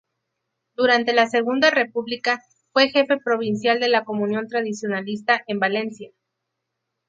Durante la Segunda República fue jefe provincial de la Comunión Tradicionalista en Valencia.